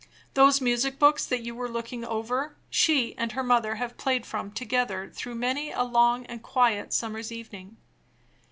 Those music books that you were looking over, she and her mother have played from together through many a long and quiet summer's evening.